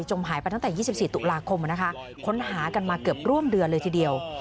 หายไปตั้งแต่๒๔ตุลาคมนะคะค้นหากันมาเกือบร่วมเดือนเลยทีเดียว